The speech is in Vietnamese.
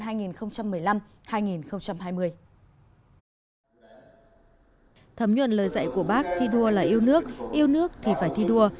thấm nhuận lời dạy của bác thi đua là yêu nước yêu nước thì phải thi đua